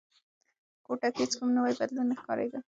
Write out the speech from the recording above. کوټه کې هیڅ کوم نوی بدلون نه ښکارېده.